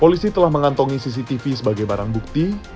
polisi telah mengantongi cctv sebagai barang bukti